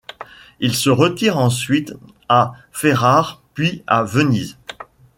Il se retire ensuite à Ferrare puis à Venise.